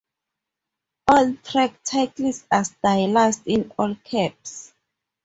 All track titles are stylized in all caps.